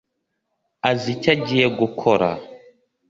azi icyo agiye gukora